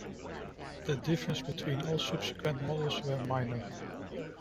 The differences between all subsequent models were minor.